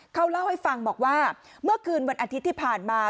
เขาเล่าให้ฟังบอกว่าเมื่อคืนวันอาทิตย์ที่ผ่านมา